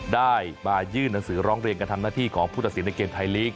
ได้มายื่นหนังสือร้องเรียนการทำหน้าที่ของผู้ตัดสินในเกมไทยลีก